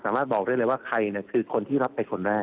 สามารถบอกได้เลยว่าใครนี่คือคนที่รับต่อไปคนแรก